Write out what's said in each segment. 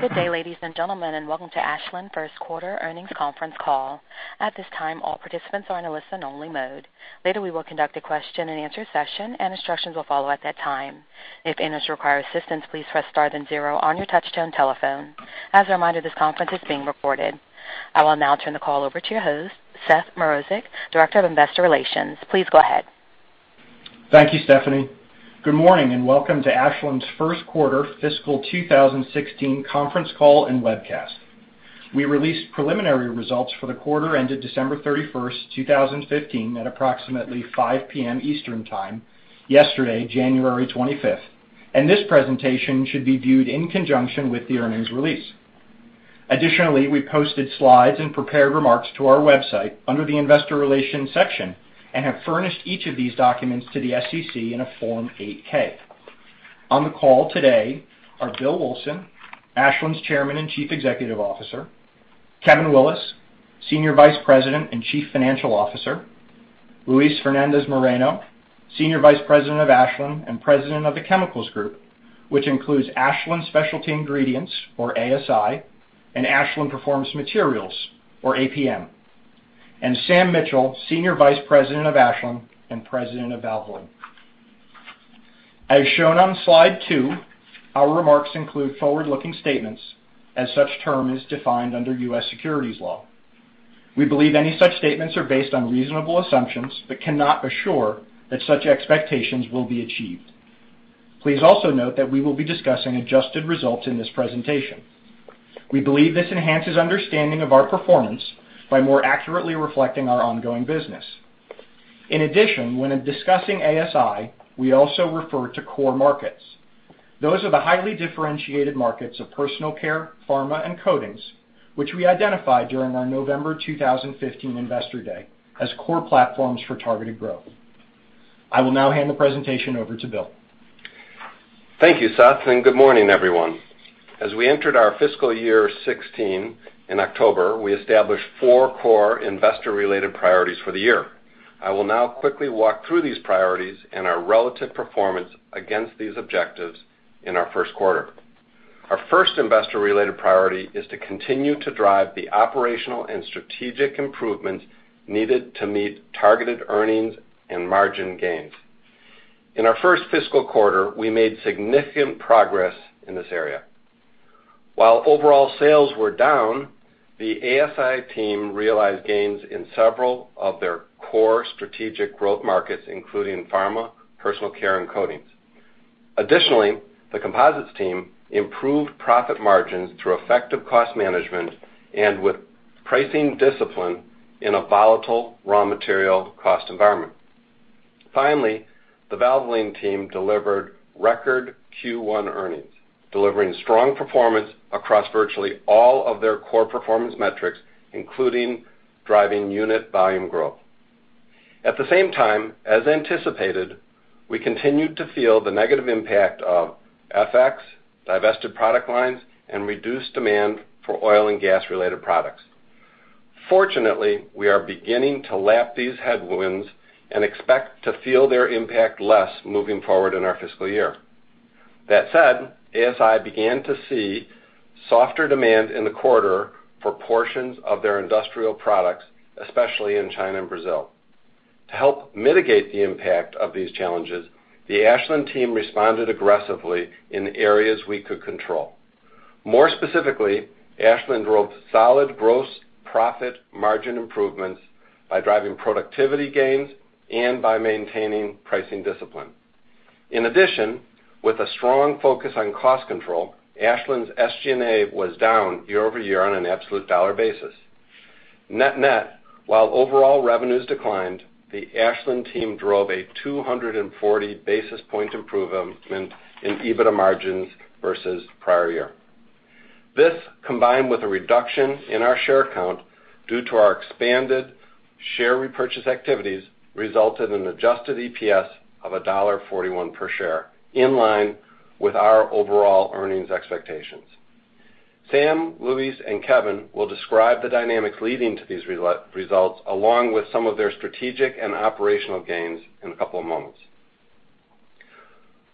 Good day, ladies and gentlemen, and welcome to Ashland first quarter earnings conference call. At this time, all participants are in a listen-only mode. Later, we will conduct a question-and-answer session, and instructions will follow at that time. If anyone requires assistance, please press star then zero on your touch-tone telephone. As a reminder, this conference is being recorded. I will now turn the call over to your host, Seth Mrozek, Director of Investor Relations. Please go ahead. Thank you, Stephanie. Good morning and welcome to Ashland's first quarter fiscal 2016 conference call and webcast. We released preliminary results for the quarter ended December 31st, 2015, at approximately 5:00 P.M. Eastern Time yesterday, January 25th, and this presentation should be viewed in conjunction with the earnings release. Additionally, we posted slides and prepared remarks to our website under the investor relations section and have furnished each of these documents to the SEC in a Form 8-K. On the call today are Bill Wulfsohn, Ashland's Chairman and Chief Executive Officer; Kevin Willis, Senior Vice President and Chief Financial Officer; Luis Fernandez-Moreno, Senior Vice President of Ashland and President of the Chemicals Group, which includes Ashland Specialty Ingredients, or ASI, and Ashland Performance Materials, or APM; and Sam Mitchell, Senior Vice President of Ashland and President of Valvoline. As shown on slide two, our remarks include forward-looking statements as such term is defined under US securities law. We believe any such statements are based on reasonable assumptions but cannot assure that such expectations will be achieved. Please also note that we will be discussing adjusted results in this presentation. We believe this enhances understanding of our performance by more accurately reflecting our ongoing business. In addition, when discussing ASI, we also refer to core markets. Those are the highly differentiated markets of personal care, pharma, and coatings, which we identified during our November 2015 Investor Day as core platforms for targeted growth. I will now hand the presentation over to Bill. Thank you, Seth, and good morning, everyone. As we entered our fiscal year 2016 in October, we established four core investor-related priorities for the year. I will now quickly walk through these priorities and our relative performance against these objectives in our first quarter. Our first investor-related priority is to continue to drive the operational and strategic improvements needed to meet targeted earnings and margin gains. In our first fiscal quarter, we made significant progress in this area. While overall sales were down, the ASI team realized gains in several of their core strategic growth markets, including pharma, personal care, and coatings. Additionally, the composites team improved profit margins through effective cost management and with pricing discipline in a volatile raw material cost environment. Finally, the Valvoline team delivered record Q1 earnings, delivering strong performance across virtually all of their core performance metrics, including driving unit volume growth. At the same time, as anticipated, we continued to feel the negative impact of FX, divested product lines, and reduced demand for oil and gas-related products. Fortunately, we are beginning to lap these headwinds and expect to feel their impact less moving forward in our fiscal year. That said, ASI began to see softer demand in the quarter for portions of their industrial products, especially in China and Brazil. To help mitigate the impact of these challenges, the Ashland team responded aggressively in the areas we could control. More specifically, Ashland drove solid gross profit margin improvements by driving productivity gains and by maintaining pricing discipline. In addition, with a strong focus on cost control, Ashland's SGA was down year-over-year on an absolute dollar basis. Net-net, while overall revenues declined, the Ashland team drove a 240 basis point improvement in EBITDA margins versus the prior year. This, combined with a reduction in our share count due to our expanded share repurchase activities, resulted in adjusted EPS of $1.41 per share, in line with our overall earnings expectations. Sam, Luis, and Kevin will describe the dynamics leading to these results, along with some of their strategic and operational gains in a couple of moments.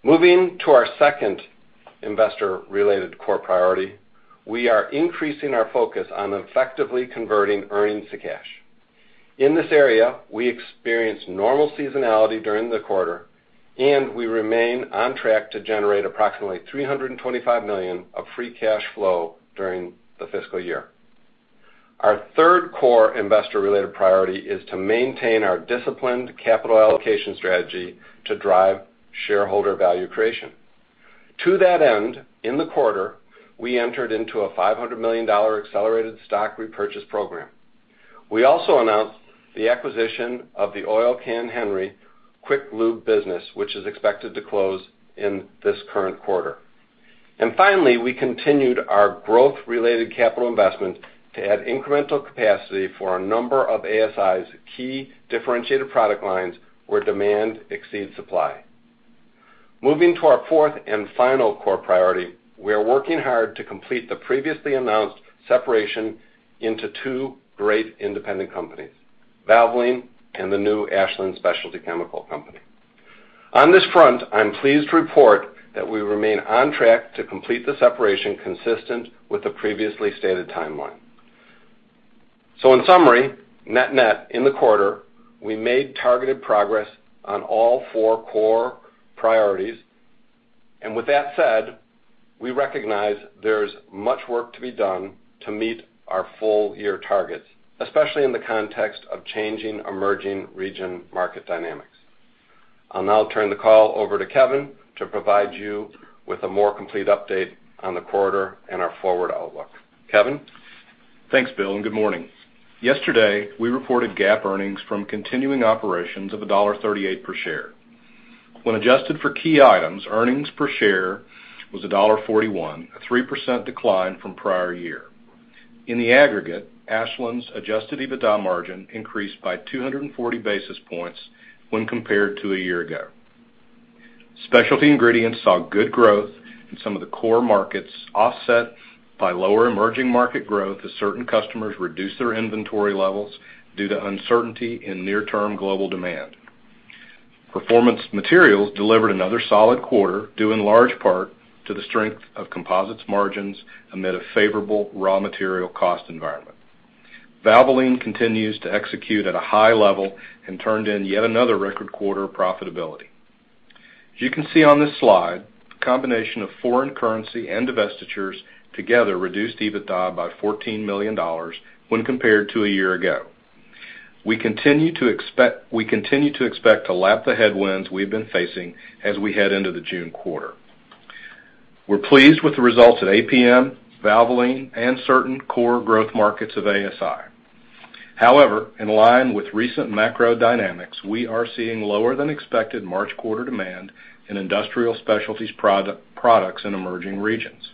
Moving to our second investor-related core priority, we are increasing our focus on effectively converting earnings to cash. In this area, we experienced normal seasonality during the quarter, and we remain on track to generate approximately $325 million of free cash flow during the fiscal year. Our third core investor-related priority is to maintain our disciplined capital allocation strategy to drive shareholder value creation. To that end, in the quarter, we entered into a $500 million accelerated stock repurchase program. We also announced the acquisition of the Oil Can Henry's quick lube business, which is expected to close in this current quarter. Finally, we continued our growth-related capital investment to add incremental capacity for a number of ASI's key differentiated product lines where demand exceeds supply. Moving to our fourth and final core priority, we are working hard to complete the previously announced separation into two great independent companies, Valvoline and the new Ashland specialty chemical company. On this front, I'm pleased to report that we remain on track to complete the separation consistent with the previously stated timeline. In summary, net-net, in the quarter, we made targeted progress on all four core priorities. With that said, we recognize there's much work to be done to meet our full year targets, especially in the context of changing emerging region market dynamics. I'll now turn the call over to Kevin to provide you with a more complete update on the quarter and our forward outlook. Kevin? Thanks, Bill, and good morning. Yesterday, we reported GAAP earnings from continuing operations of $1.38 per share. When adjusted for key items, earnings per share was $1.41, a 3% decline from prior year. In the aggregate, Ashland's adjusted EBITDA margin increased by 240 basis points when compared to a year ago. Specialty Ingredients saw good growth in some of the core markets, offset by lower emerging market growth as certain customers reduced their inventory levels due to uncertainty in near-term global demand. Performance Materials delivered another solid quarter, due in large part to the strength of composites margins amid a favorable raw material cost environment. Valvoline continues to execute at a high level and turned in yet another record quarter of profitability. As you can see on this slide, the combination of foreign currency and divestitures together reduced EBITDA by $14 million when compared to a year ago. We continue to expect to lap the headwinds we have been facing as we head into the June quarter. We are pleased with the results at APM, Valvoline, and certain core growth markets of ASI. However, in line with recent macro dynamics, we are seeing lower than expected March quarter demand in industrial specialties products in emerging regions.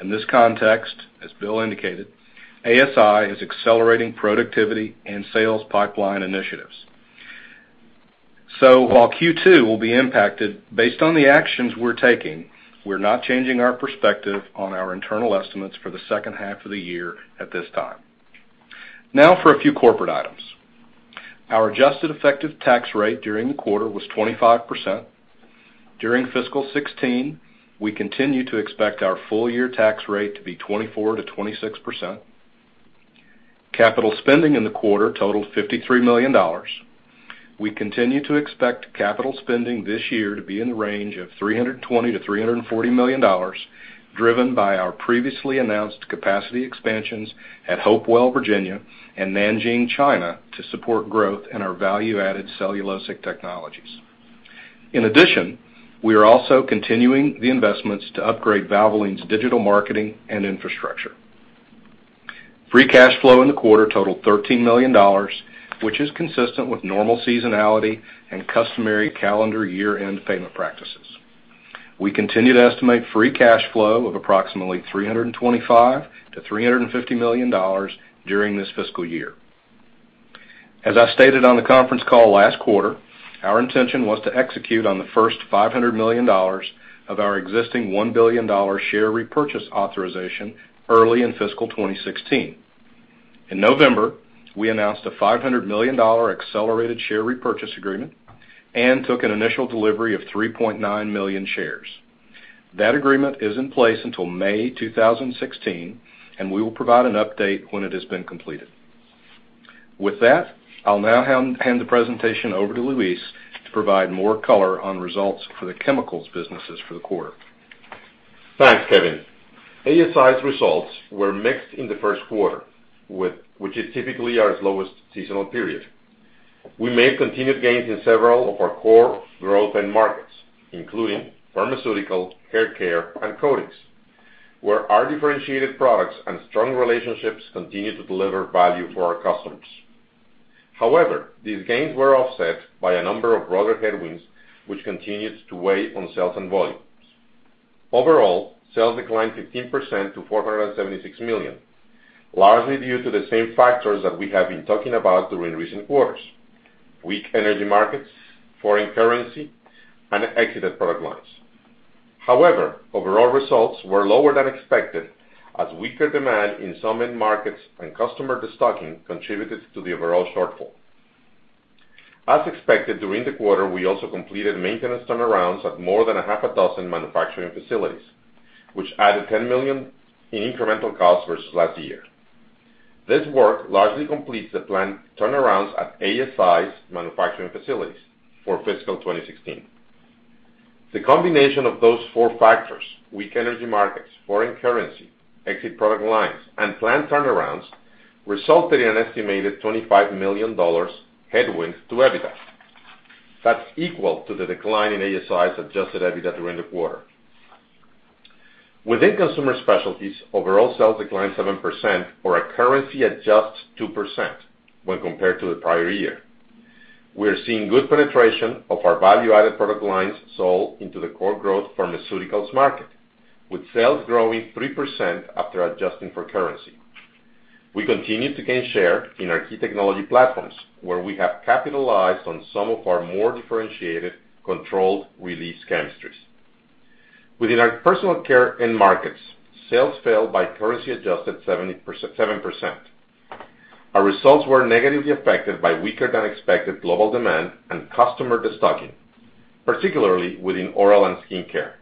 In this context, as Bill indicated, ASI is accelerating productivity and sales pipeline initiatives. While Q2 will be impacted, based on the actions we are taking, we are not changing our perspective on our internal estimates for the second half of the year at this time. Now for a few corporate items. Our adjusted effective tax rate during the quarter was 25%. During fiscal 2016, we continue to expect our full year tax rate to be 24%-26%. Capital spending in the quarter totaled $53 million. We continue to expect capital spending this year to be in the range of $320 million-$340 million, driven by our previously announced capacity expansions at Hopewell, Virginia and Nanjing, China to support growth in our value-added cellulosic technologies. In addition, we are also continuing the investments to upgrade Valvoline's digital marketing and infrastructure. Free cash flow in the quarter totaled $13 million, which is consistent with normal seasonality and customary calendar year-end payment practices. We continue to estimate free cash flow of approximately $325 million-$350 million during this fiscal year. As I stated on the conference call last quarter, our intention was to execute on the first $500 million of our existing $1 billion share repurchase authorization early in fiscal 2016. In November, we announced a $500 million accelerated share repurchase agreement and took an initial delivery of 3.9 million shares. That agreement is in place until May 2016, and we will provide an update when it has been completed. With that, I will now hand the presentation over to Luis to provide more color on results for the Chemicals businesses for the quarter. Thanks, Kevin. ASI's results were mixed in the first quarter, which is typically our lowest seasonal period. We made continued gains in several of our core growth end markets, including pharmaceutical, hair care, and coatings, where our differentiated products and strong relationships continue to deliver value for our customers. These gains were offset by a number of broader headwinds, which continued to weigh on sales and volumes. Overall, sales declined 15% to $476 million, largely due to the same factors that we have been talking about during recent quarters: weak energy markets, foreign currency, and exited product lines. Overall results were lower than expected as weaker demand in some end markets and customer destocking contributed to the overall shortfall. As expected, during the quarter, we also completed maintenance turnarounds at more than a half a dozen manufacturing facilities, which added $10 million in incremental costs versus last year. This work largely completes the planned turnarounds at ASI's manufacturing facilities for fiscal 2016. The combination of those four factors, weak energy markets, foreign currency, exited product lines, and planned turnarounds, resulted in an estimated $25 million headwind to EBITDA. That's equal to the decline in ASI's adjusted EBITDA during the quarter. Within Consumer Specialties, overall sales declined 7%, or a currency adjusted 2% when compared to the prior year. We are seeing good penetration of our value-added product lines sold into the core growth pharmaceuticals market, with sales growing 3% after adjusting for currency. We continue to gain share in our key technology platforms, where we have capitalized on some of our more differentiated controlled release chemistries. Within our personal care end markets, sales fell by currency adjusted 7%. Our results were negatively affected by weaker than expected global demand and customer destocking, particularly within oral and skincare.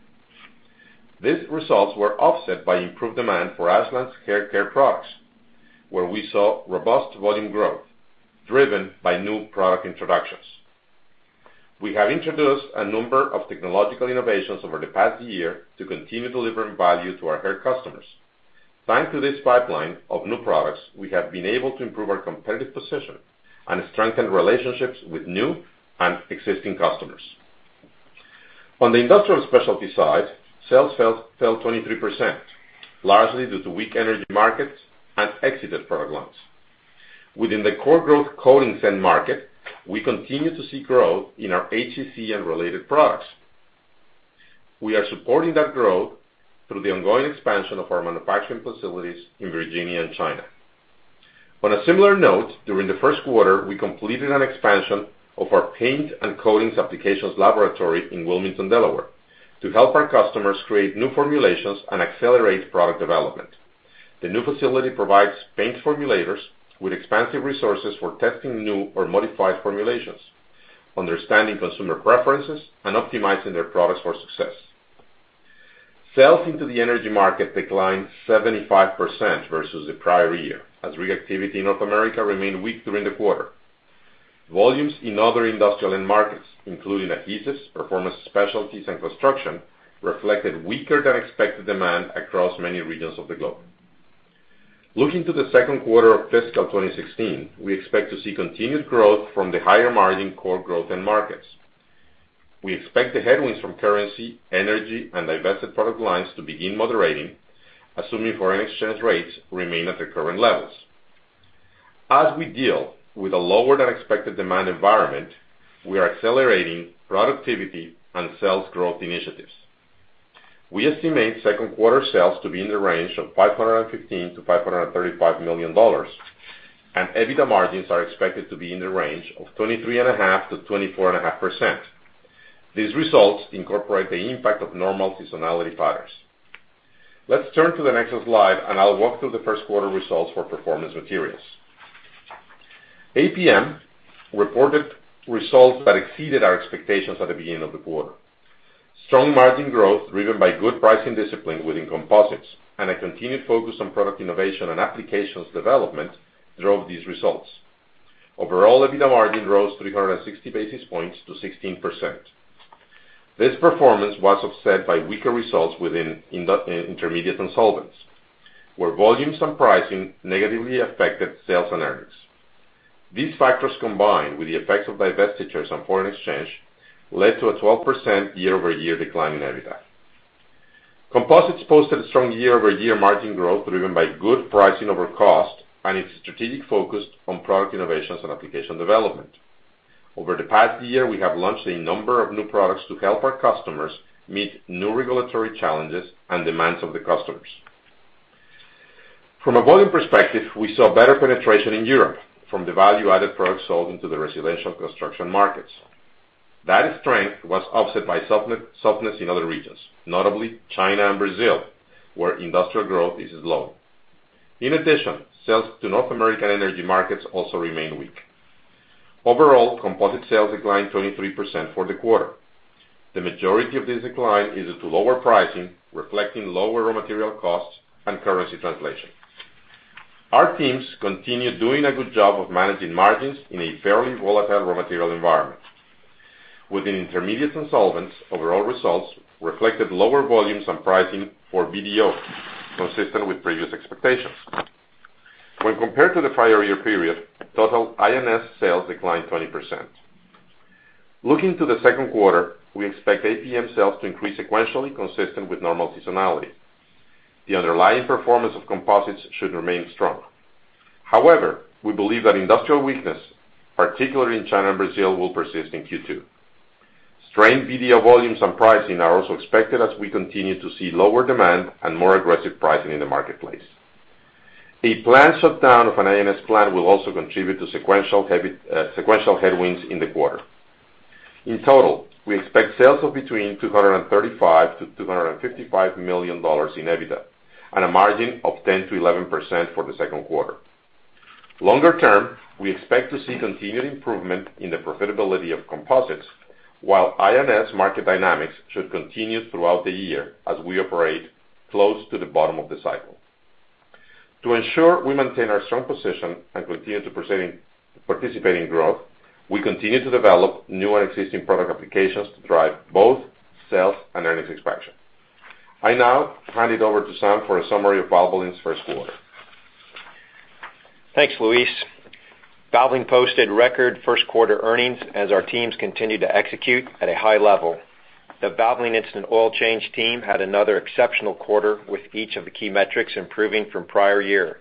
These results were offset by improved demand for Ashland's hair care products, where we saw robust volume growth driven by new product introductions. We have introduced a number of technological innovations over the past year to continue delivering value to our hair customers. Thanks to this pipeline of new products, we have been able to improve our competitive position and strengthen relationships with new and existing customers. On the industrial specialty side, sales fell 23%, largely due to weak energy markets and exited product lines. Within the core growth coatings end market, we continue to see growth in our HEC and related products. We are supporting that growth through the ongoing expansion of our manufacturing facilities in Virginia and China. On a similar note, during the first quarter, we completed an expansion of our paint and coatings applications laboratory in Wilmington, Delaware to help our customers create new formulations and accelerate product development. The new facility provides paint formulators with expansive resources for testing new or modified formulations, understanding consumer preferences, and optimizing their products for success. Sales into the energy market declined 75% versus the prior year, as rig activity in North America remained weak during the quarter. Volumes in other industrial end markets, including adhesives, performance specialties, and construction, reflected weaker than expected demand across many regions of the globe. Looking to the second quarter of fiscal 2016, we expect to see continued growth from the higher margin core growth end markets. We expect the headwinds from currency, energy, and divested product lines to begin moderating, assuming foreign exchange rates remain at their current levels. As we deal with a lower than expected demand environment, we are accelerating productivity and sales growth initiatives. We estimate second-quarter sales to be in the range of $515 million-$535 million, and EBITDA margins are expected to be in the range of 23.5%-24.5%. These results incorporate the impact of normal seasonality patterns. Let's turn to the next slide, and I'll walk through the first quarter results for Performance Materials. APM reported results that exceeded our expectations at the beginning of the quarter. Strong margin growth driven by good pricing discipline within composites, and a continued focus on product innovation and applications development drove these results. Overall, EBITDA margin rose 360 basis points to 16%. This performance was offset by weaker results within Intermediates and Solvents, where volumes and pricing negatively affected sales and earnings. These factors, combined with the effects of divestitures on foreign exchange, led to a 12% year-over-year decline in EBITDA. Composites posted strong year-over-year margin growth driven by good pricing over cost and its strategic focus on product innovations and application development. Over the past year, we have launched a number of new products to help our customers meet new regulatory challenges and demands of the customers. From a volume perspective, we saw better penetration in Europe from the value-added products sold into the residential construction markets. That strength was offset by softness in other regions, notably China and Brazil, where industrial growth is low. In addition, sales to North American energy markets also remained weak. Overall, composite sales declined 23% for the quarter. The majority of this decline is due to lower pricing, reflecting lower raw material costs and currency translation. Our teams continue doing a good job of managing margins in a fairly volatile raw material environment. Within Intermediates and Solvents, overall results reflected lower volumes and pricing for BDO, consistent with previous expectations. When compared to the prior year period, total I&S sales declined 20%. Looking to the second quarter, we expect APM sales to increase sequentially consistent with normal seasonality. The underlying performance of composites should remain strong. However, we believe that industrial weakness, particularly in China and Brazil, will persist in Q2. Strained BDO volumes and pricing are also expected as we continue to see lower demand and more aggressive pricing in the marketplace. A planned shutdown of an I&S plant will also contribute to sequential headwinds in the quarter. In total, we expect sales of between $235 million-$255 million in EBITDA and a margin of 10%-11% for the second quarter. Longer term, we expect to see continued improvement in the profitability of composites, while I&S market dynamics should continue throughout the year as we operate close to the bottom of the cycle. To ensure we maintain our strong position and continue to participate in growth, we continue to develop new and existing product applications to drive both sales and earnings expansion. I now hand it over to Sam for a summary of Valvoline's first quarter. Thanks, Luis. Valvoline posted record first quarter earnings as our teams continued to execute at a high level. The Valvoline Instant Oil Change team had another exceptional quarter with each of the key metrics improving from prior year.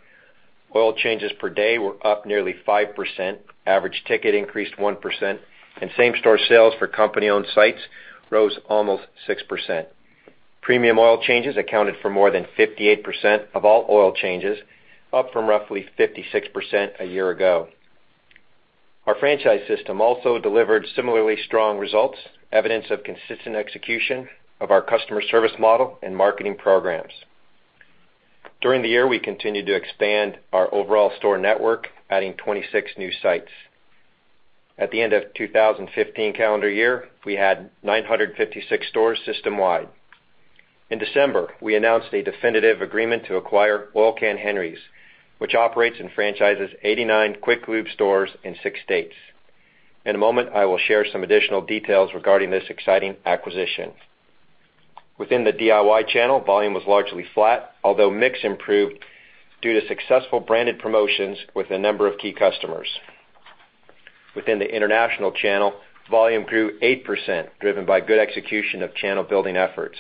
Oil changes per day were up nearly 5%, average ticket increased 1%, and same-store sales for company-owned sites rose almost 6%. Premium oil changes accounted for more than 58% of all oil changes, up from roughly 56% a year ago. Our franchise system also delivered similarly strong results, evidence of consistent execution of our customer service model and marketing programs. During the year, we continued to expand our overall store network, adding 26 new sites. At the end of 2015 calendar year, we had 956 stores system-wide. In December, we announced a definitive agreement to acquire Oil Can Henry's, which operates and franchises 89 quick lube stores in six states. In a moment, I will share some additional details regarding this exciting acquisition. Within the DIY channel, volume was largely flat, although mix improved due to successful branded promotions with a number of key customers. Within the international channel, volume grew 8%, driven by good execution of channel building efforts.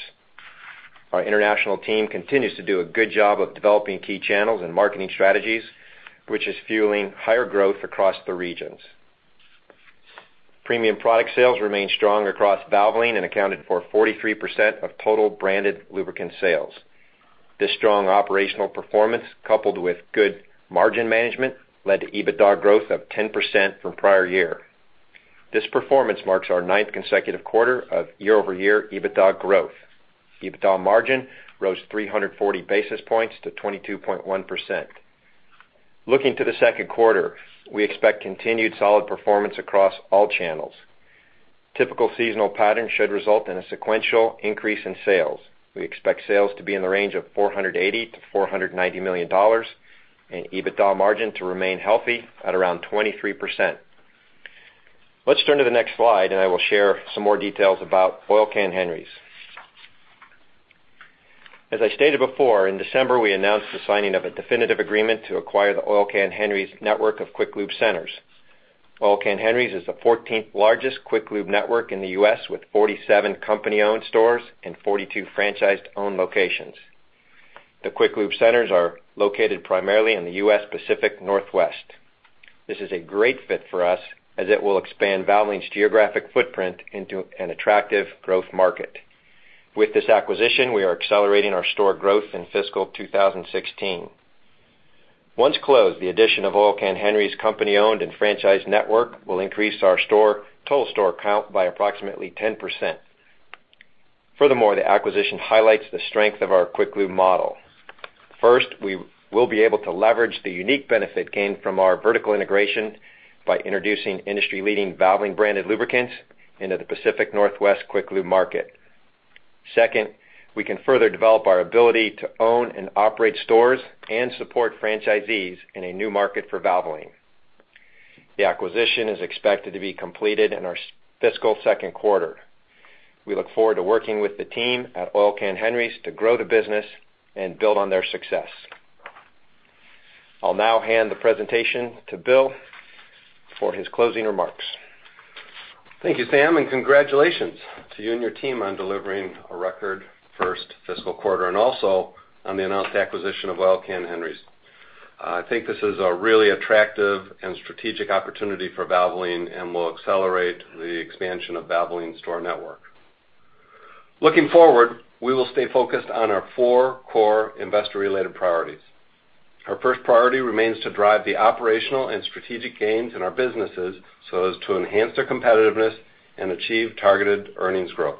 Our international team continues to do a good job of developing key channels and marketing strategies, which is fueling higher growth across the regions. Premium product sales remained strong across Valvoline and accounted for 43% of total branded lubricant sales. This strong operational performance, coupled with good margin management, led to EBITDA growth of 10% from prior year. This performance marks our ninth consecutive quarter of year-over-year EBITDA growth. EBITDA margin rose 340 basis points to 22.1%. Looking to the second quarter, we expect continued solid performance across all channels. Typical seasonal patterns should result in a sequential increase in sales. We expect sales to be in the range of $480 million-$490 million and EBITDA margin to remain healthy at around 23%. Let's turn to the next slide, I will share some more details about Oil Can Henry's. As I stated before, in December, we announced the signing of a definitive agreement to acquire the Oil Can Henry's network of quick lube centers. Oil Can Henry's is the 14th largest quick lube network in the U.S., with 47 company-owned stores and 42 franchised-owned locations. The quick lube centers are located primarily in the U.S. Pacific Northwest. This is a great fit for us as it will expand Valvoline's geographic footprint into an attractive growth market. With this acquisition, we are accelerating our store growth in fiscal 2016. Once closed, the addition of Oil Can Henry's company-owned and franchised network will increase our total store count by approximately 10%. Furthermore, the acquisition highlights the strength of our quick lube model. First, we will be able to leverage the unique benefit gained from our vertical integration by introducing industry-leading Valvoline branded lubricants into the Pacific Northwest quick lube market. Second, we can further develop our ability to own and operate stores and support franchisees in a new market for Valvoline. The acquisition is expected to be completed in our fiscal second quarter. We look forward to working with the team at Oil Can Henry's to grow the business and build on their success. I'll now hand the presentation to Bill for his closing remarks. Thank you, Sam, and congratulations to you and your team on delivering a record first fiscal quarter and also on the announced acquisition of Oil Can Henry's. I think this is a really attractive and strategic opportunity for Valvoline and will accelerate the expansion of Valvoline's store network. Looking forward, we will stay focused on our four core investor-related priorities. Our first priority remains to drive the operational and strategic gains in our businesses so as to enhance their competitiveness and achieve targeted earnings growth.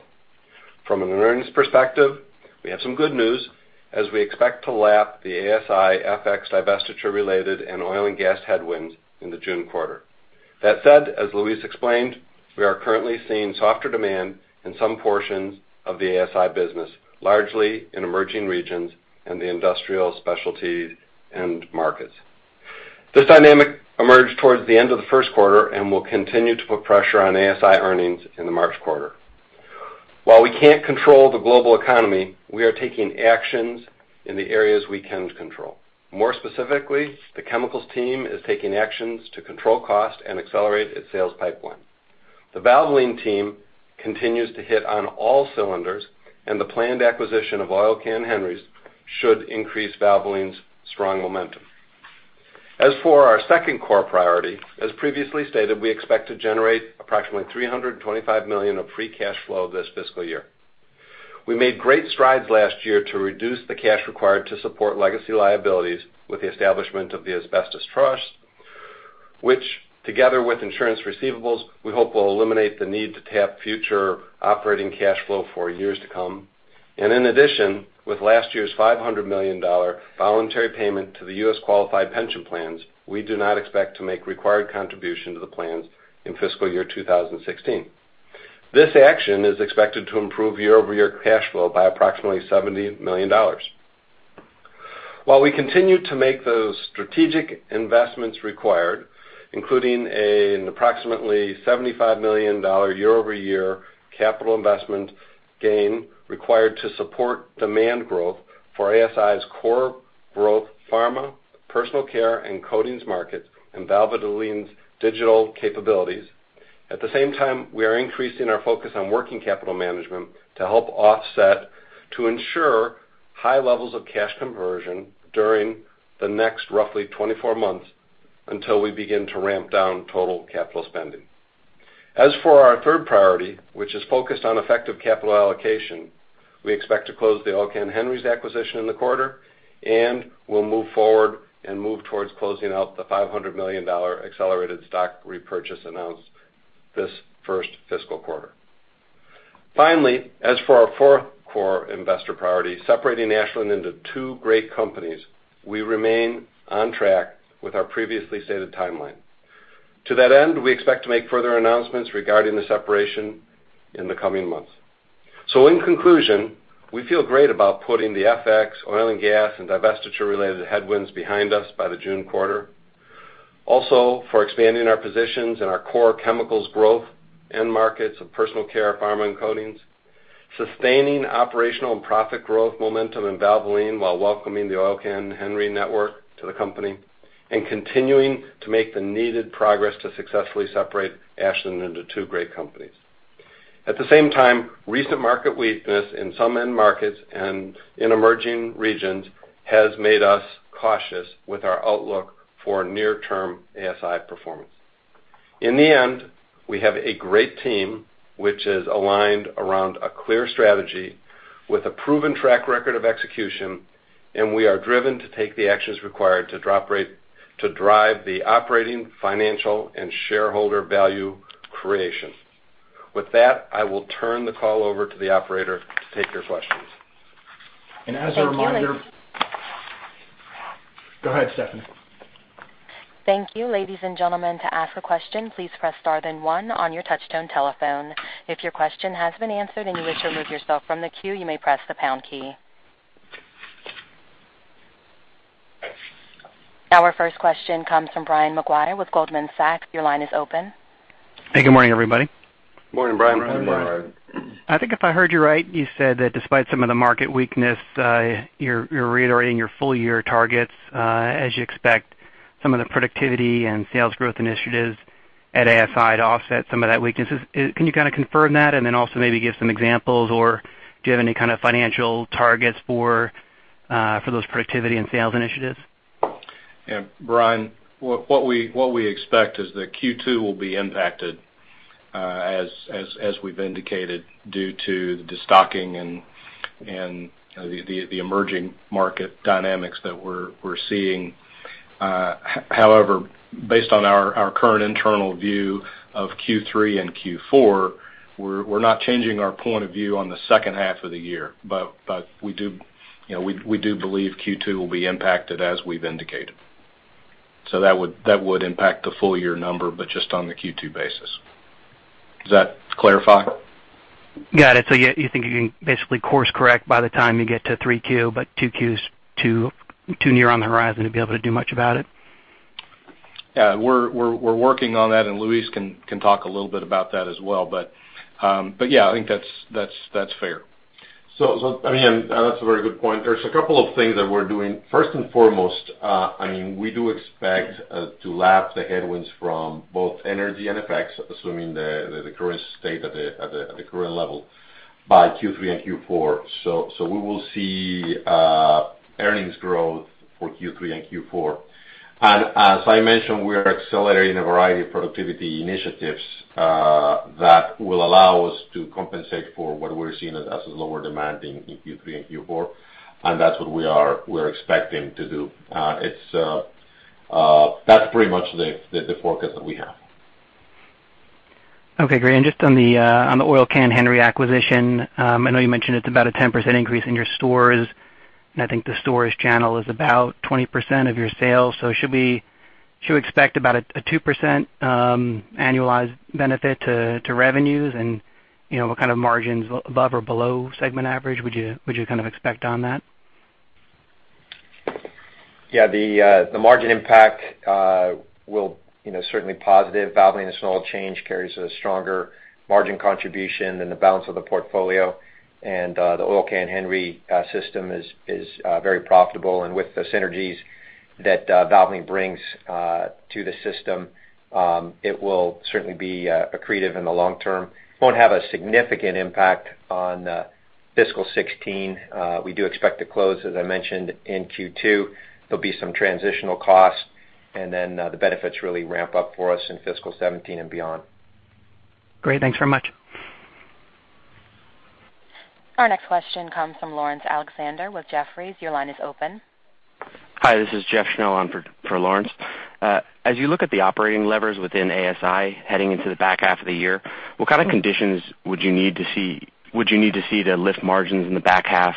From an earnings perspective, we have some good news as we expect to lap the ASI FX divestiture related and oil and gas headwinds in the June quarter. That said, as Luis explained, we are currently seeing softer demand in some portions of the ASI business, largely in emerging regions and the industrial specialties end markets. This dynamic emerged towards the end of the first quarter and will continue to put pressure on ASI earnings in the March quarter. While we can't control the global economy, we are taking actions in the areas we can control. More specifically, the chemicals team is taking actions to control cost and accelerate its sales pipeline. The Valvoline team continues to hit on all cylinders, and the planned acquisition of Oil Can Henry's should increase Valvoline's strong momentum. As for our second core priority, as previously stated, we expect to generate approximately $325 million of free cash flow this fiscal year. We made great strides last year to reduce the cash required to support legacy liabilities with the establishment of the asbestos trust, which together with insurance receivables, we hope will eliminate the need to tap future operating cash flow for years to come. In addition, with last year's $500 million voluntary payment to the U.S. qualified pension plans, we do not expect to make required contribution to the plans in fiscal year 2016. This action is expected to improve year-over-year cash flow by approximately $70 million. While we continue to make those strategic investments required, including an approximately $75 million year-over-year capital investment gain required to support demand growth for ASI's core growth pharma, personal care, and coatings markets, and Valvoline's digital capabilities. At the same time, we are increasing our focus on working capital management to help offset to ensure high levels of cash conversion during the next roughly 24 months until we begin to ramp down total capital spending. As for our third priority, which is focused on effective capital allocation, we expect to close the Oil Can Henry's acquisition in the quarter, and we'll move forward and move towards closing out the $500 million accelerated stock repurchase announced this first fiscal quarter. Finally, as for our fourth core investor priority, separating Ashland into two great companies, we remain on track with our previously stated timeline. To that end, we expect to make further announcements regarding the separation in the coming months. In conclusion, we feel great about putting the FX, oil and gas, and divestiture-related headwinds behind us by the June quarter. For expanding our positions in our core chemicals growth end markets of personal care, pharma, and coatings, sustaining operational and profit growth momentum in Valvoline while welcoming the Oil Can Henry's network to the company, and continuing to make the needed progress to successfully separate Ashland into two great companies. At the same time, recent market weakness in some end markets and in emerging regions has made us cautious with our outlook for near-term ASI performance. In the end, we have a great team, which is aligned around a clear strategy with a proven track record of execution, and we are driven to take the actions required to drive the operating, financial, and shareholder value creation. With that, I will turn the call over to the operator to take your questions. Thank you, Bill. Go ahead, Stephanie. Thank you. Ladies and gentlemen, to ask a question, please press star then one on your touchtone telephone. If your question has been answered and you wish to remove yourself from the queue, you may press the pound key. Our first question comes from Brian Maguire with Goldman Sachs. Your line is open. Hey, good morning, everybody. Morning, Brian. Morning, Brian. I think if I heard you right, you said that despite some of the market weakness, you're reiterating your full-year targets, as you expect some of the productivity and sales growth initiatives at ASI to offset some of that weakness. Can you kind of confirm that, and then also maybe give some examples, or do you have any kind of financial targets for those productivity and sales initiatives? Brian, what we expect is that Q2 will be impacted, as we've indicated, due to the destocking and the emerging market dynamics that we're seeing. However, based on our current internal view of Q3 and Q4, we're not changing our point of view on the second half of the year. We do believe Q2 will be impacted as we've indicated. That would impact the full-year number, but just on the Q2 basis. Does that clarify? Got it. You think you can basically course correct by the time you get to three Q, but two Q's too near on the horizon to be able to do much about it? We're working on that, and Luis can talk a little bit about that as well. I think that's fair. I mean, that's a very good point. There's a couple of things that we're doing. First and foremost, I mean, we do expect to lap the headwinds from both energy and FX, assuming the current state at the current level by Q3 and Q4. We will see earnings growth for Q3 and Q4. As I mentioned, we are accelerating a variety of productivity initiatives that will allow us to compensate for what we're seeing as a lower demand in Q3 and Q4. That's what we're expecting to do. That's pretty much the forecast that we have. Okay, great. Just on the Oil Can Henry's acquisition, I know you mentioned it's about a 10% increase in your stores, I think the stores channel is about 20% of your sales. Should we expect about a 2% annualized benefit to revenues? What kind of margins above or below segment average would you kind of expect on that? Yeah, the margin impact will certainly be positive. Valvoline Instant Oil Change carries a stronger margin contribution than the balance of the portfolio. The Oil Can Henry's system is very profitable. With the synergies that Valvoline brings to the system, it will certainly be accretive in the long term. Won't have a significant impact on fiscal 2016. We do expect to close, as I mentioned, in Q2. There'll be some transitional costs, the benefits really ramp up for us in fiscal 2017 and beyond. Great. Thanks very much. Our next question comes from Laurence Alexander with Jefferies. Your line is open. Hi, this is Jeff Schnell on for Laurence. As you look at the operating levers within ASI heading into the back half of the year, what kind of conditions would you need to see to lift margins in the back half,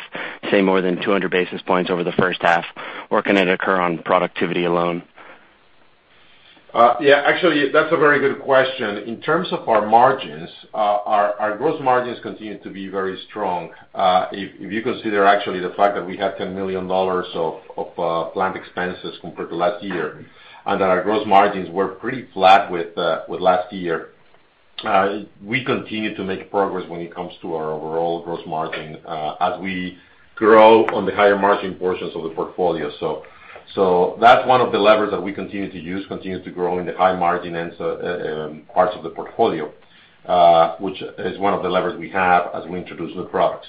say more than 200 basis points over the first half, or can it occur on productivity alone? Actually, that's a very good question. In terms of our margins, our gross margins continue to be very strong. If you consider actually the fact that we had $10 million of planned expenses compared to last year and that our gross margins were pretty flat with last year. We continue to make progress when it comes to our overall gross margin as we grow on the higher margin portions of the portfolio. That's one of the levers that we continue to use, continue to grow in the high margin parts of the portfolio, which is one of the levers we have as we introduce new products.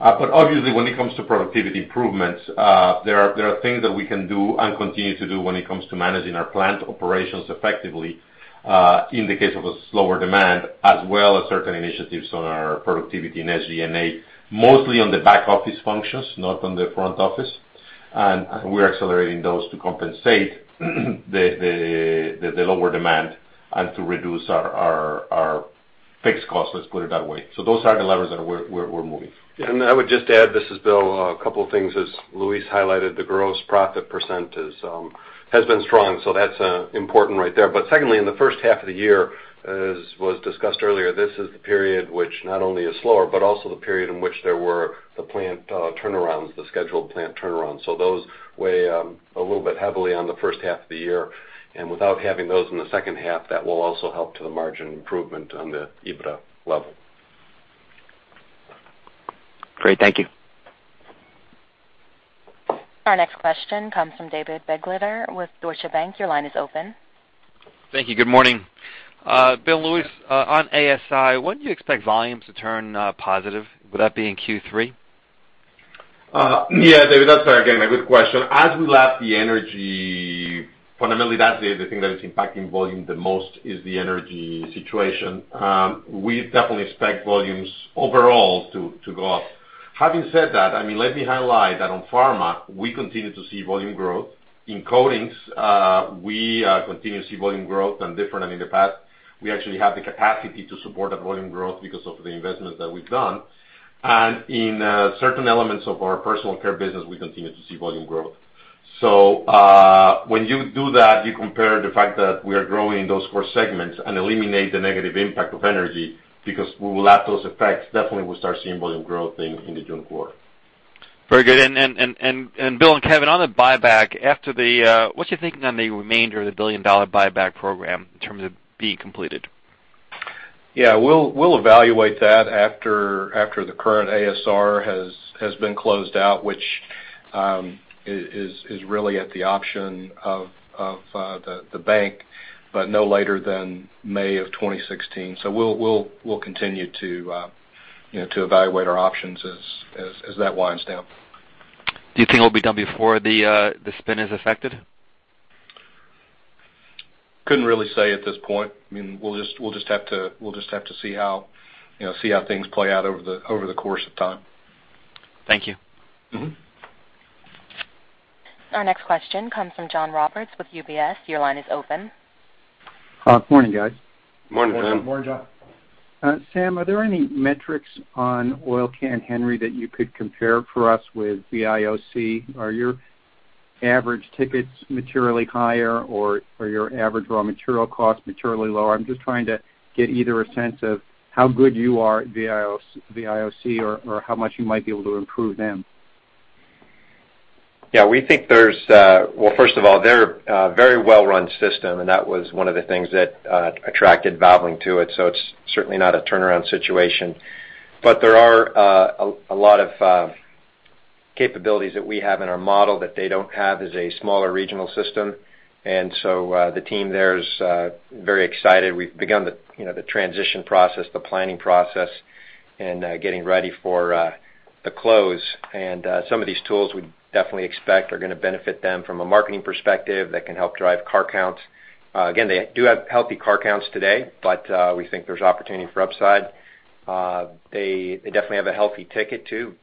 Obviously, when it comes to productivity improvements, there are things that we can do and continue to do when it comes to managing our plant operations effectively in the case of a slower demand, as well as certain initiatives on our productivity and SG&A, mostly on the back office functions, not on the front office. We're accelerating those to compensate the lower demand and to reduce our fixed costs, let's put it that way. Those are the levers that we're moving. I would just add, this is Bill, a couple of things, as Luis highlighted, the gross profit percent has been strong, that's important right there. Secondly, in the first half of the year, as was discussed earlier, this is the period which not only is slower, but also the period in which there were the plant turnarounds, the scheduled plant turnarounds. Those weigh a little bit heavily on the first half of the year. Without having those in the second half, that will also help to the margin improvement on the EBITDA level. Great. Thank you. Our next question comes from David Begleiter with Deutsche Bank. Your line is open. Thank you. Good morning. Bill, Luis, on ASI, when do you expect volumes to turn positive? Would that be in Q3? Yeah, David, that's again, a good question. As we lap the energy, fundamentally, that's the thing that is impacting volume the most is the energy situation. We definitely expect volumes overall to go up. Having said that, let me highlight that on pharma, we continue to see volume growth. In coatings, we continue to see volume growth and different than in the past. We actually have the capacity to support that volume growth because of the investments that we've done. And in certain elements of our personal care business, we continue to see volume growth. So when you do that, you compare the fact that we are growing in those core segments and eliminate the negative impact of energy because we will lap those effects, definitely we'll start seeing volume growth in the June quarter. Very good. Bill and Kevin, on the buyback, what's your thinking on the remainder of the billion-dollar buyback program in terms of being completed? Yeah, we'll evaluate that after the current ASR has been closed out, which is really at the option of the bank, but no later than May of 2016. We'll continue to evaluate our options as that winds down. Do you think it'll be done before the spin is affected? Couldn't really say at this point. We'll just have to see how things play out over the course of time. Thank you. Our next question comes from John Roberts with UBS. Your line is open. Morning, guys. Morning, John. Morning, John. Sam, are there any metrics on Oil Can Henry's that you could compare for us with the VIOC? Are your average tickets materially higher, or are your average raw material costs materially lower? I'm just trying to get either a sense of how good you are at the VIOC or how much you might be able to improve them. Yeah, we think there's well, first of all, they're a very well-run system, and that was one of the things that attracted Valvoline to it, so it's certainly not a turnaround situation. There are a lot of capabilities that we have in our model that they don't have as a smaller regional system. The team there is very excited. We've begun the transition process, the planning process, and getting ready for the close. Some of these tools we definitely expect are going to benefit them from a marketing perspective that can help drive car counts. They do have healthy car counts today, but we think there's opportunity for upside. They definitely have a healthy ticket, too,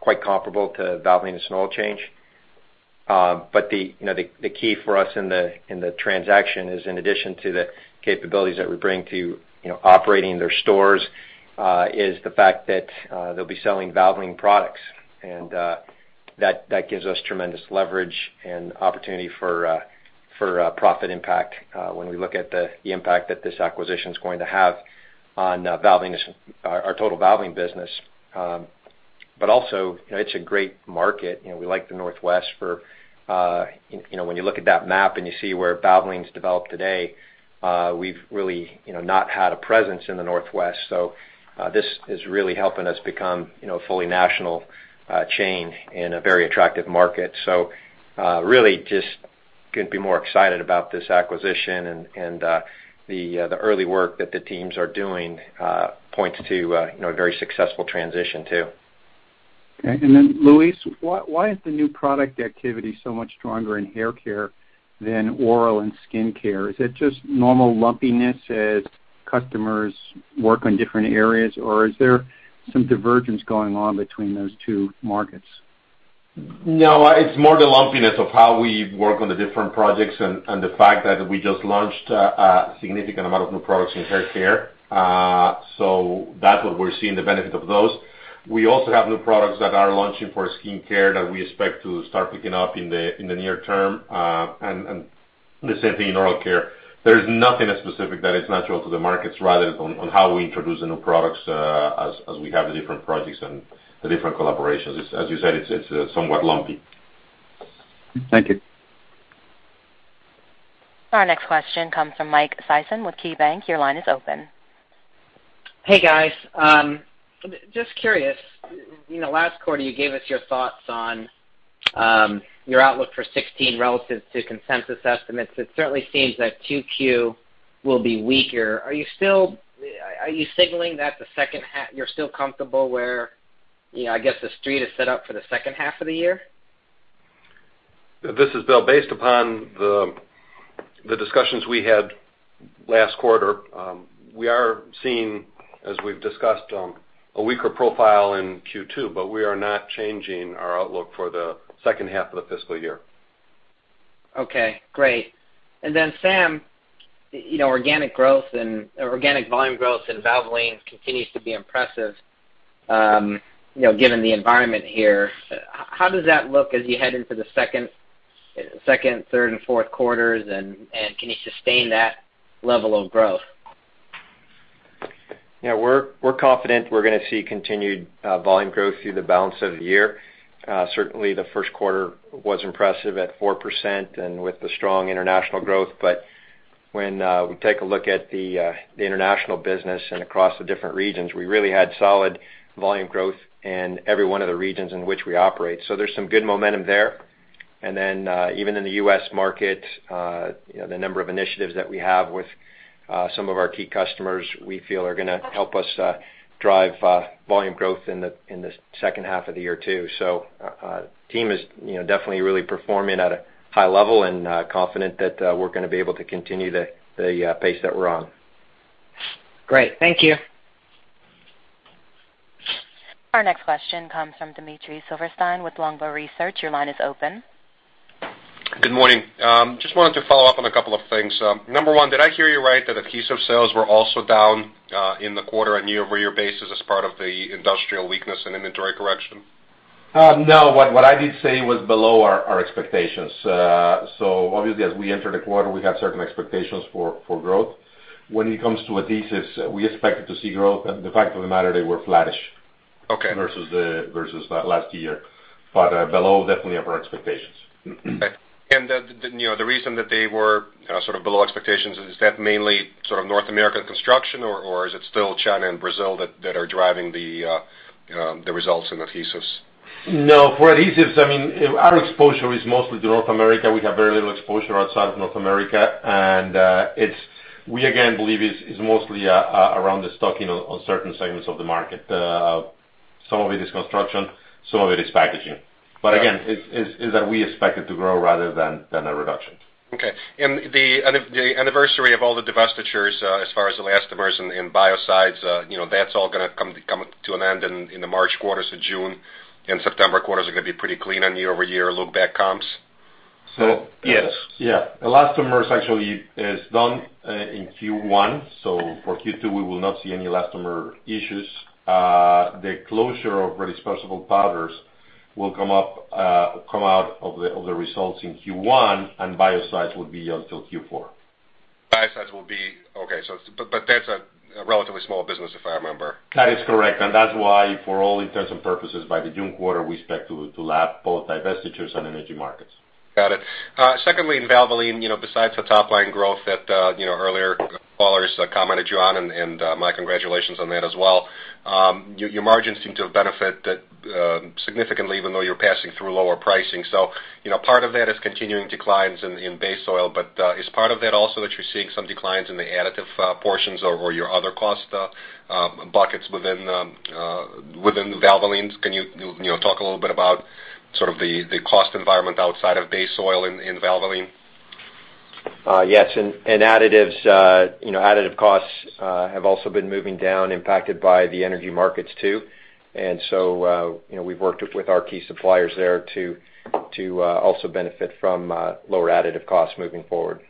quite comparable to Valvoline and a small change. The key for us in the transaction is in addition to the capabilities that we bring to operating their stores, is the fact that they'll be selling Valvoline products. That gives us tremendous leverage and opportunity for profit impact when we look at the impact that this acquisition is going to have on our total Valvoline business. It's a great market. We like the Northwest for, when you look at that map and you see where Valvoline's developed today, we've really not had a presence in the Northwest. This is really helping us become a fully national chain in a very attractive market. Really just couldn't be more excited about this acquisition, and the early work that the teams are doing points to a very successful transition, too. Okay. Luis, why is the new product activity so much stronger in hair care than oral and skin care? Is it just normal lumpiness as customers work on different areas, or is there some divergence going on between those two markets? No, it's more the lumpiness of how we work on the different projects and the fact that we just launched a significant amount of new products in hair care. That's what we're seeing the benefit of those. We also have new products that are launching for skin care that we expect to start picking up in the near term, and the same thing in oral care. There is nothing specific that is natural to the markets rather on how we introduce the new products as we have the different projects and the different collaborations. As you said, it's somewhat lumpy. Thank you. Our next question comes from Michael Sison with KeyBanc. Your line is open. Hey, guys. Just curious, last quarter you gave us your thoughts on your outlook for 2016 relative to consensus estimates, it certainly seems that 2Q will be weaker. Are you signaling that you're still comfortable where, I guess the Street is set up for the second half of the year? This is Bill. Based upon the discussions we had last quarter, we are seeing, as we've discussed, a weaker profile in Q2, we are not changing our outlook for the second half of the fiscal year. Okay, great. Sam, organic volume growth in Valvoline continues to be impressive, given the environment here. How does that look as you head into the second, third, and fourth quarters, and can you sustain that level of growth? Yeah, we're confident we're going to see continued volume growth through the balance of the year. Certainly, the first quarter was impressive at 4% and with the strong international growth. When we take a look at the international business and across the different regions, we really had solid volume growth in every one of the regions in which we operate. There's some good momentum there. Even in the U.S. market, the number of initiatives that we have with some of our key customers, we feel are going to help us drive volume growth in the second half of the year, too. The team is definitely really performing at a high level and confident that we're going to be able to continue the pace that we're on. Great. Thank you. Our next question comes from Dmitry Silverstein with Longbow Research. Your line is open. Good morning. Just wanted to follow up on a couple of things. Number one, did I hear you right that adhesive sales were also down in the quarter on year-over-year basis as part of the industrial weakness and inventory correction? No. What I did say was below our expectations. Obviously, as we enter the quarter, we have certain expectations for growth. When it comes to adhesives, we expected to see growth, the fact of the matter, they were flattish. Okay versus last year. Below definitely of our expectations. Okay. The reason that they were sort of below expectations, is that mainly sort of North American construction, or is it still China and Brazil that are driving the results in adhesives? No. For adhesives, our exposure is mostly to North America. We have very little exposure outside of North America, and we again believe it's mostly around the stocking on certain segments of the market. Some of it is construction, some of it is packaging. Again, it's that we expected to grow rather than a reduction. Okay. The anniversary of all the divestitures as far as elastomers and biocides, that's all going to come to an end in the March quarter. June and September quarters are going to be pretty clean on year-over-year look-back comps? Yes. Elastomers actually is done in Q1. For Q2, we will not see any elastomer issues. The closure of redispersible powders will come out of the results in Q1, and biocides will be until Q4. Biocides will be okay. That's a relatively small business, if I remember. That is correct. That's why, for all intents and purposes, by the June quarter, we expect to lap both divestitures and energy markets. Got it. Secondly, in Valvoline, besides the top-line growth that earlier callers commented you on, and my congratulations on that as well. Your margins seem to have benefited significantly even though you're passing through lower pricing. Part of that is continuing declines in base oil. Is part of that also that you're seeing some declines in the additive portions or your other cost buckets within Valvoline? Can you talk a little bit about sort of the cost environment outside of base oil in Valvoline? Yes. In additives, additive costs have also been moving down, impacted by the energy markets, too. We've worked with our key suppliers there to also benefit from lower additive costs moving forward.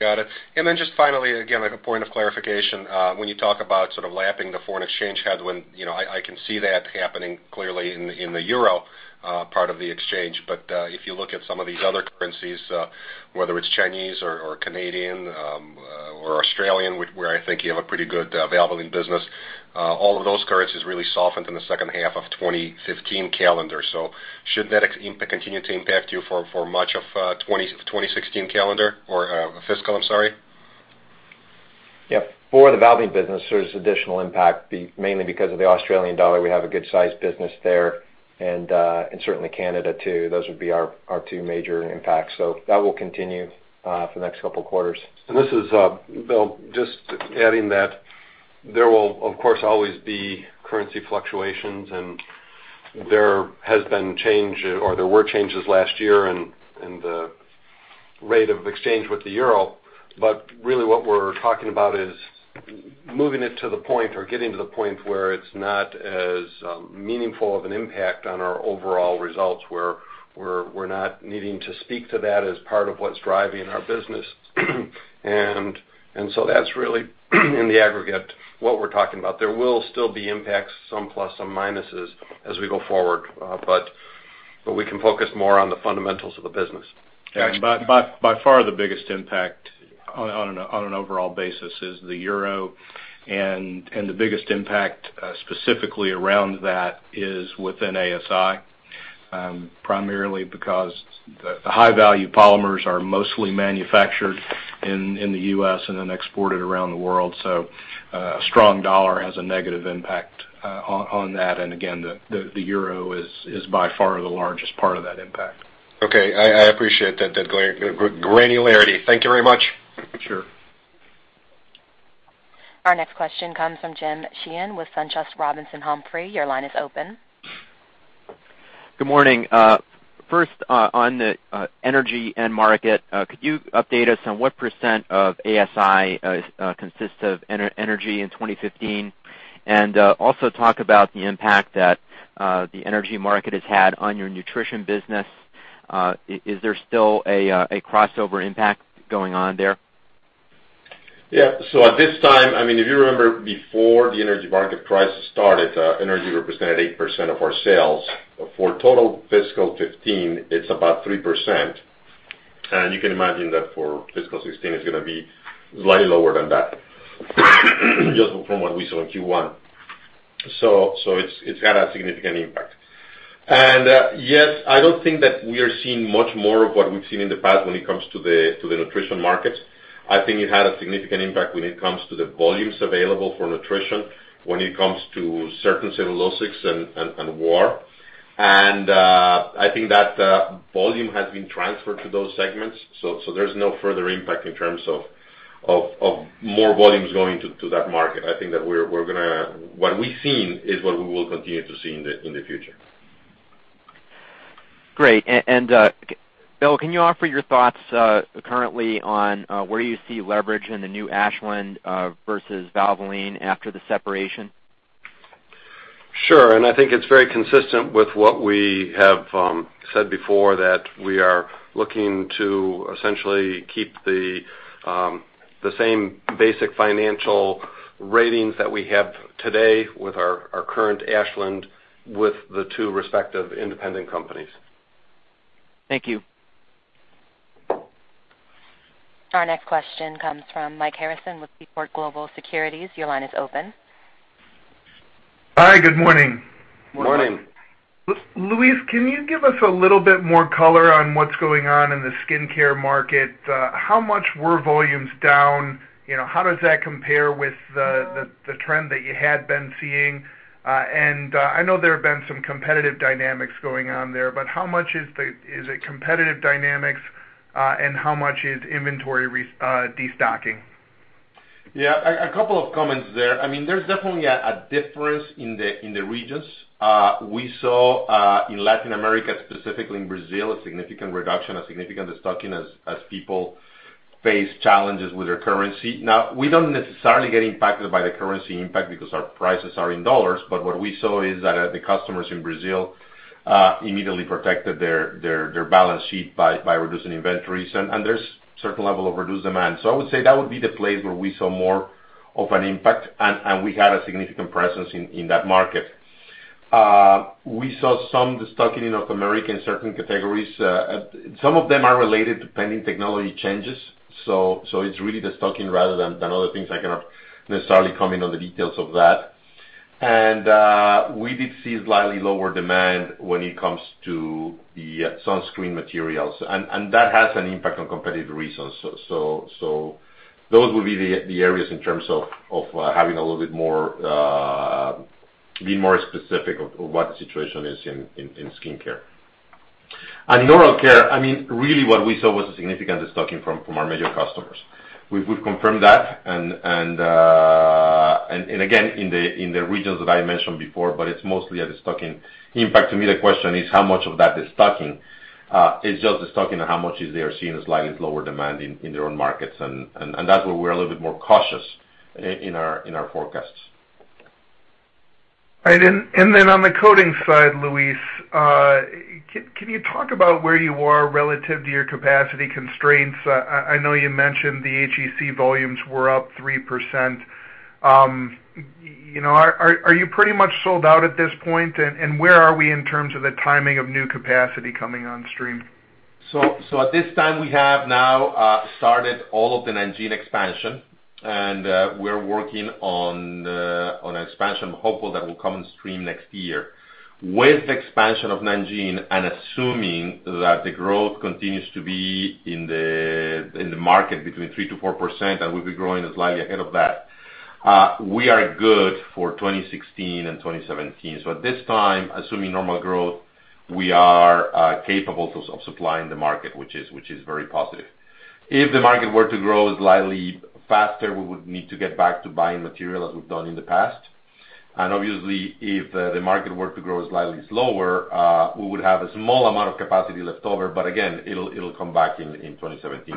Got it. Just finally, again, a point of clarification. When you talk about sort of lapping the foreign exchange headwind, I can see that happening clearly in the EUR part of the exchange. If you look at some of these other currencies, whether it's Chinese or Canadian or Australian, where I think you have a pretty good Valvoline business, all of those currencies really softened in the second half of 2015 calendar. Should that continue to impact you for much of 2016 calendar or fiscal? I'm sorry. Yep. For the Valvoline business, there's additional impact, mainly because of the AUD. We have a good sized business there, and certainly Canada too. Those would be our two major impacts. That will continue for the next couple of quarters. This is Bill. Just adding that there will, of course, always be currency fluctuations, and there has been change, or there were changes last year in the rate of exchange with the EUR. Really what we're talking about is moving it to the point or getting to the point where it's not as meaningful of an impact on our overall results, where we're not needing to speak to that as part of what's driving our business. That's really in the aggregate what we're talking about. There will still be impacts, some plus, some minuses as we go forward, we can focus more on the fundamentals of the business. By far, the biggest impact on an overall basis is the Euro, and the biggest impact specifically around that is within ASI. Primarily because the high-value polymers are mostly manufactured in the U.S. and then exported around the world. A strong dollar has a negative impact on that. Again, the Euro is by far the largest part of that impact. Okay. I appreciate that granularity. Thank you very much. Sure. Our next question comes from James Sheehan with SunTrust Robinson Humphrey. Your line is open. Good morning. First, on the energy end market, could you update us on what % of ASI consists of energy in 2015? Also talk about the impact that the energy market has had on your nutrition business. Is there still a crossover impact going on there? Yeah. At this time, if you remember before the energy market crisis started, energy represented 8% of our sales. For total fiscal 2015, it's about 3%. You can imagine that for fiscal 2016, it's going to be slightly lower than that, just from what we saw in Q1. It's had a significant impact. Yes, I don't think that we are seeing much more of what we've seen in the past when it comes to the nutrition markets. I think it had a significant impact when it comes to the volumes available for nutrition, when it comes to certain cellulosics and HEC. I think that volume has been transferred to those segments. There's no further impact in terms of more volumes going to that market. I think that what we've seen is what we will continue to see in the future. Great. Bill, can you offer your thoughts currently on where you see leverage in the new Ashland versus Valvoline after the separation? Sure. I think it's very consistent with what we have said before, that we are looking to essentially keep the same basic financial ratings that we have today with our current Ashland, with the two respective independent companies. Thank you. Our next question comes from Mike Harrison with Seaport Global Securities. Your line is open. Hi, good morning. Morning. Luis, can you give us a little bit more color on what's going on in the skincare market? How much were volumes down? How does that compare with the trend that you had been seeing? I know there have been some competitive dynamics going on there, but how much is it competitive dynamics, and how much is inventory destocking? Yeah. A couple of comments there. There's definitely a difference in the regions. We saw in Latin America, specifically in Brazil, a significant reduction, a significant destocking as people face challenges with their currency. Now, we don't necessarily get impacted by the currency impact because our prices are in dollars. What we saw is that the customers in Brazil immediately protected their balance sheet by reducing inventories, and there's a certain level of reduced demand. I would say that would be the place where we saw more of an impact, and we had a significant presence in that market. We saw some destocking in North America in certain categories. Some of them are related to pending technology changes. It's really destocking rather than other things. I cannot necessarily comment on the details of that. We did see slightly lower demand when it comes to the sunscreen materials. That has an impact on competitive reasons. Those would be the areas in terms of having a little bit more, be more specific of what the situation is in skincare. Oral care, really what we saw was a significant destocking from our major customers. We've confirmed that, again, in the regions that I mentioned before, but it's mostly a destocking impact. To me, the question is how much of that destocking is just destocking and how much is they are seeing a slightly lower demand in their own markets. That's where we're a little bit more cautious in our forecasts. All right. On the coatings side, Luis, can you talk about where you are relative to your capacity constraints? I know you mentioned the HEC volumes were up 3%. Are you pretty much sold out at this point? Where are we in terms of the timing of new capacity coming on stream? At this time, we have now started all of the Nanjing expansion, and we're working on expansion, hopeful that will come on stream next year. With the expansion of Nanjing and assuming that the growth continues to be in the market between 3%-4%, and we'll be growing slightly ahead of that, we are good for 2016 and 2017. At this time, assuming normal growth, we are capable of supplying the market, which is very positive. Obviously, if the market were to grow slightly faster, we would need to get back to buying material as we've done in the past. Again, if the market were to grow slightly slower, we would have a small amount of capacity left over. It'll come back in 2017.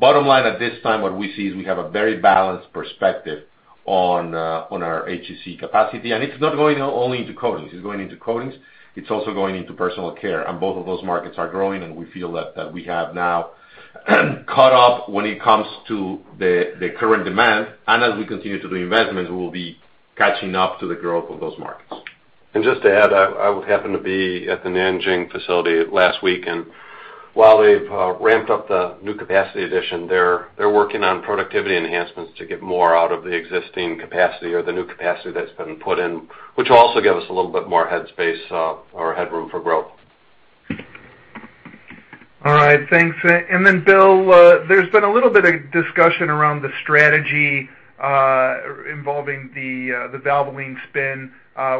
Bottom line, at this time, what we see is we have a very balanced perspective on our HEC capacity, and it's not going only into coatings. It's going into coatings, it's also going into personal care. Both of those markets are growing, we feel that we have now caught up when it comes to the current demand. As we continue to do investments, we'll be catching up to the growth of those markets. Just to add, I happened to be at the Nanjing facility last week, and while they've ramped up the new capacity addition, they're working on productivity enhancements to get more out of the existing capacity or the new capacity that's been put in, which will also give us a little bit more headspace or headroom for growth. Thanks. Bill, there's been a little bit of discussion around the strategy involving the Valvoline spin,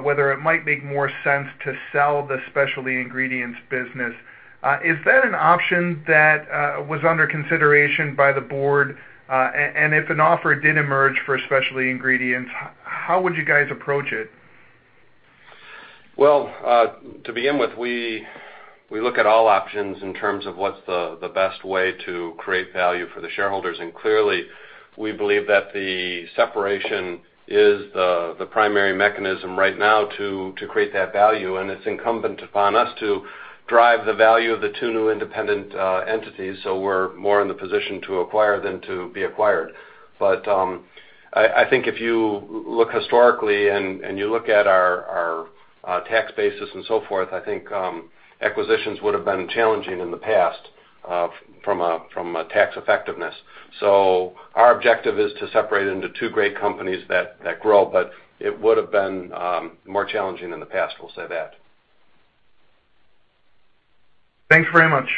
whether it might make more sense to sell the Specialty Ingredients business. Is that an option that was under consideration by the board? If an offer did emerge for Specialty Ingredients, how would you guys approach it? Well, to begin with, we look at all options in terms of what's the best way to create value for the shareholders. Clearly, we believe that the separation is the primary mechanism right now to create that value, and it's incumbent upon us to drive the value of the two new independent entities so we're more in the position to acquire than to be acquired. I think if you look historically and you look at our tax bases and so forth, I think acquisitions would've been challenging in the past from a tax effectiveness. Our objective is to separate into two great companies that grow, but it would've been more challenging in the past, we'll say that. Thanks very much.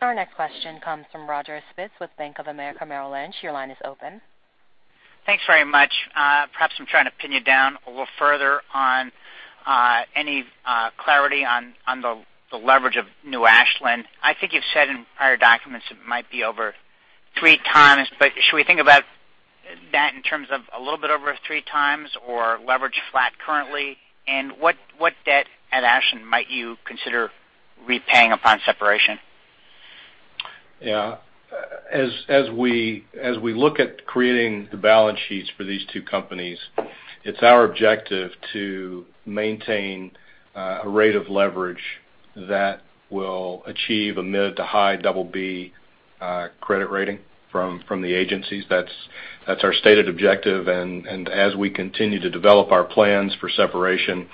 Our next question comes from Roger Spitz with Bank of America Merrill Lynch. Your line is open. Thanks very much. Perhaps I'm trying to pin you down a little further on any clarity on the leverage of New Ashland. I think you've said in prior documents it might be over 3 times, should we think about that in terms of a little bit over 3 times or leverage flat currently? What debt at Ashland might you consider repaying upon separation? As we look at creating the balance sheets for these 2 companies, it's our objective to maintain a rate of leverage that will achieve a mid to high BB credit rating from the agencies. That's our stated objective, as we continue to develop our plans for separation,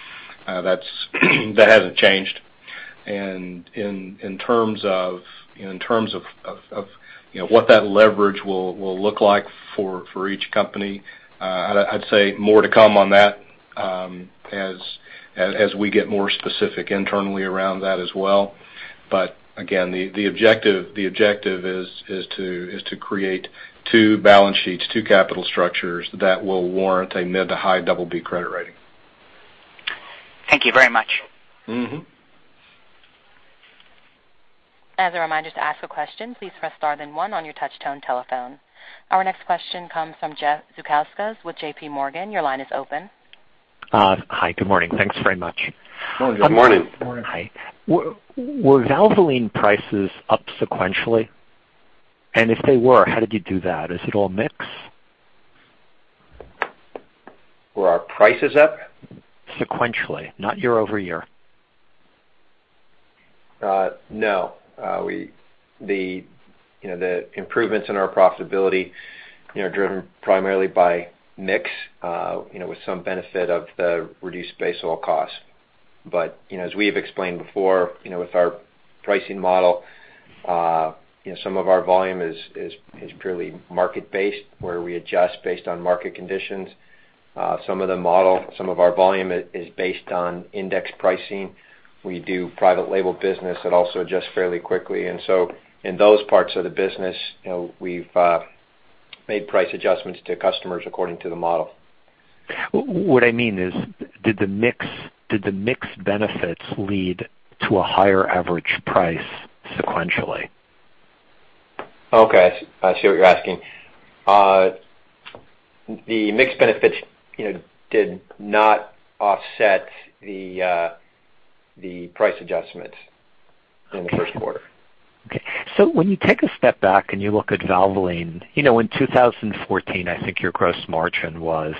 that hasn't changed. In terms of what that leverage will look like for each company, I'd say more to come on that as we get more specific internally around that as well. Again, the objective is to create 2 balance sheets, 2 capital structures that will warrant a mid to high BB credit rating. Thank you very much. As a reminder, to ask a question, please press star then 1 on your touch-tone telephone. Our next question comes from Jeff Zekauskas with J.P. Morgan. Your line is open. Hi. Good morning. Thanks very much. Good morning. Hi. Were Valvoline prices up sequentially? If they were, how did you do that? Is it all mix? Were our prices up? Sequentially, not year-over-year. No. The improvements in our profitability, driven primarily by mix, with some benefit of the reduced base oil cost. As we have explained before with our pricing model, some of our volume is purely market based, where we adjust based on market conditions. Some of our volume is based on index pricing. We do private label business that also adjusts fairly quickly. In those parts of the business, we've made price adjustments to customers according to the model. What I mean is, did the mix benefits lead to a higher average price sequentially? Okay. I see what you're asking. The mix benefits did not offset the price adjustments in the first quarter. Okay. When you take a step back and you look at Valvoline, in 2014, I think your gross margin was,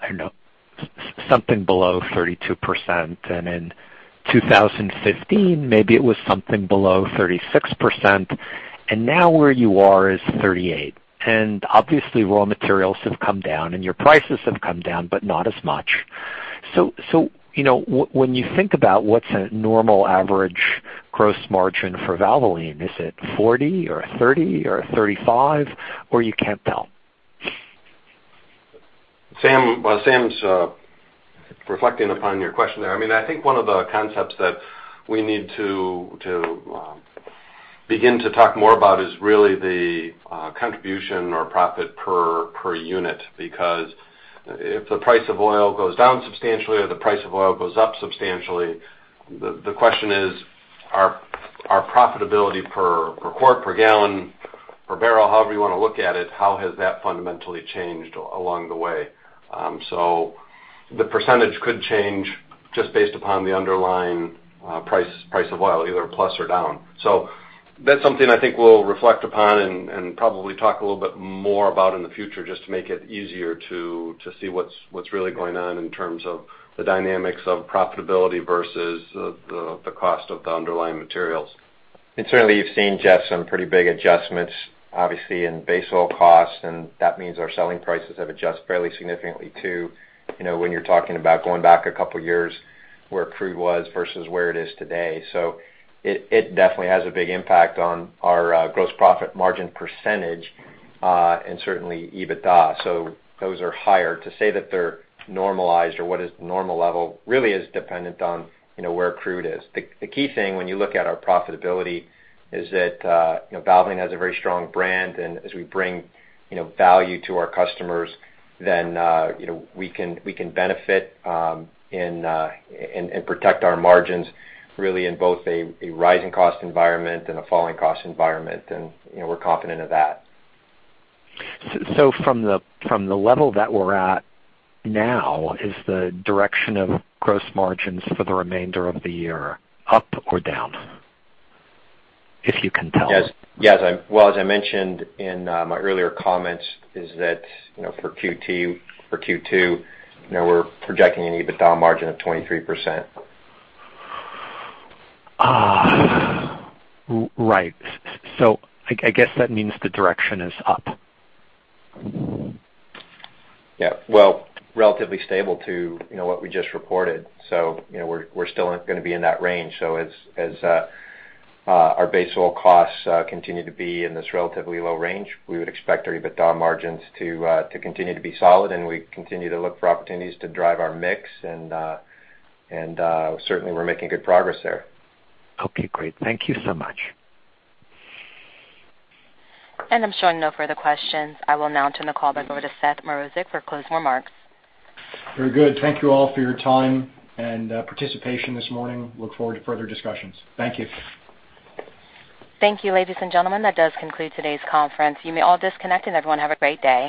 I don't know, something below 32%, and in 2015, maybe it was something below 36%, and now where you are is 38. Obviously raw materials have come down and your prices have come down, but not as much. When you think about what's a normal average gross margin for Valvoline, is it 40 or 30 or 35, or you can't tell? While Sam's reflecting upon your question there, I think one of the concepts that we need to begin to talk more about is really the contribution or profit per unit. If the price of oil goes down substantially or the price of oil goes up substantially, the question is our profitability per quart, per gallon, per barrel, however you want to look at it, how has that fundamentally changed along the way? The percentage could change just based upon the underlying price of oil, either plus or down. That's something I think we'll reflect upon and probably talk a little bit more about in the future just to make it easier to see what's really going on in terms of the dynamics of profitability versus the cost of the underlying materials. Certainly you've seen, Jeff, some pretty big adjustments, obviously, in base oil costs, and that means our selling prices have adjusted fairly significantly too, when you're talking about going back a couple of years where crude was versus where it is today. It definitely has a big impact on our gross profit margin percentage, and certainly EBITDA. Those are higher. To say that they're normalized or what is the normal level really is dependent on where crude is. The key thing when you look at our profitability is that Valvoline has a very strong brand, and as we bring value to our customers, then we can benefit and protect our margins, really in both a rising cost environment and a falling cost environment. We're confident of that. From the level that we're at now, is the direction of gross margins for the remainder of the year up or down? If you can tell. Yes. As I mentioned in my earlier comments, is that for Q2, we're projecting an EBITDA margin of 23%. Right. I guess that means the direction is up. Relatively stable to what we just reported. We're still going to be in that range, as our base oil costs continue to be in this relatively low range, we would expect our EBITDA margins to continue to be solid, we continue to look for opportunities to drive our mix, certainly we're making good progress there. Okay, great. Thank you so much. I'm showing no further questions. I will now turn the call back over to Seth Mrozek for closing remarks. Very good. Thank you all for your time and participation this morning. Look forward to further discussions. Thank you. Thank you, ladies and gentlemen. That does conclude today's conference. You may all disconnect, and everyone have a great day.